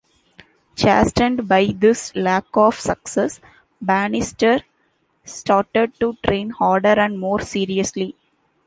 Chastened by this lack of success, Bannister started to train harder and more seriously.